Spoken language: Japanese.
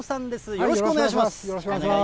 よろしくお願いします。